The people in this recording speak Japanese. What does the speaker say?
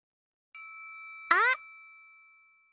あっ！